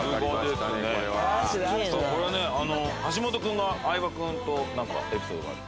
これね橋本君が相葉君となんかエピソードがある？